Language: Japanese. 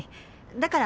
だから。